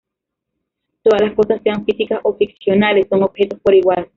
Todas las cosas, sean físicas o ficcionales, son objetos por igual.